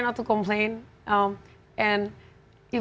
saya mencoba untuk tidak mengeluh